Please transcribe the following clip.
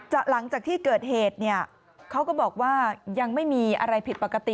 หลังจากที่เกิดเหตุเนี่ยเขาก็บอกว่ายังไม่มีอะไรผิดปกติ